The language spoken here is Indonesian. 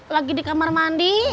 lagi di kamar mandi